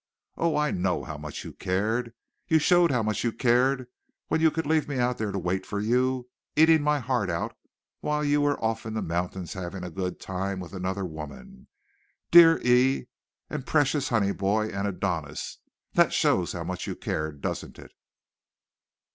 Oh, I know how much you cared. You showed how much you cared when you could leave me out there to wait for you eating my heart out while you were off in the mountains having a good time with another woman. 'Dear E ,' and 'Precious Honey Boy,' and 'Adonis'! That shows how much you cared, doesn't it!"